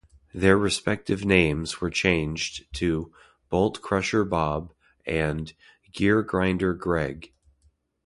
Their respective names were changed to "Bolt Crusher Bob" and "Gear Grinder Greg".